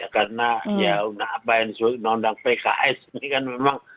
karena ya undang undang pks ini kan memang